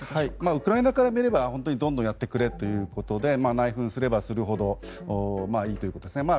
ウクライナから見ればどんどんやってくれということで内紛すればするほどいいということですね。